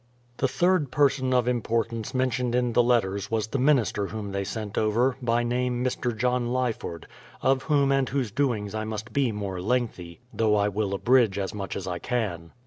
The third person of importance mentioned in the letters was the minister whom they sent over, by name Mr. John Lyford, of whom and whose doings I must be more lengthy, though I will abridge as much as I can.